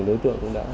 đối tượng cũng đã